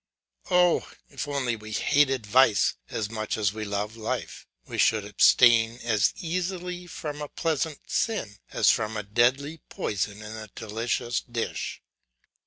Oh! if only we hated vice as much as we love life, we should abstain as easily from a pleasant sin as from a deadly poison in a delicious dish.